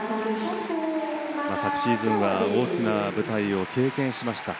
昨シーズンは大きな舞台を経験しました。